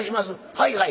「はいはい。